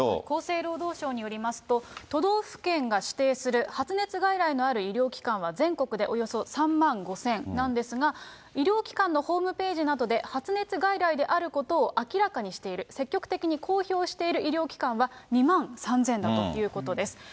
厚生労働省によりますと、都道府県が指定する発熱外来のある医療機関は全国でおよそ３万５０００なんですが、医療機関のホームページなどで発熱外来であることを明らかにしている、積極的に公表している医療機関は２万３０００だということです。